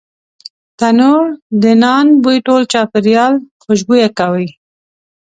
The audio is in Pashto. تنور د نان بوی ټول چاپېریال خوشبویه کوي